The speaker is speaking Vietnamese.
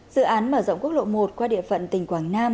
dự án mở rộng quốc lộ một qua địa phận tỉnh quảng nam